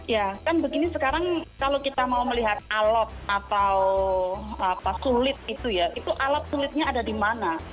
ya kan begini sekarang kalau kita mau melihat alot atau sulit itu ya itu alat sulitnya ada di mana